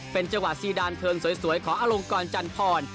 เป็นจังหวะซีดานเทิงสวยของอลงกรจันทร